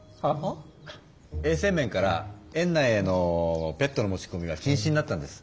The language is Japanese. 衛生面から園内へのペットの持ちこみは禁止になったんです。